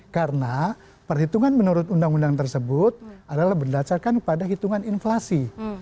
karena perhitungan menurut undang undang tersebut adalah berdasarkan pada hitungan inflasi